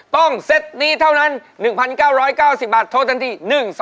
เซตนี้เท่านั้น๑๙๙๐บาทโทษทันที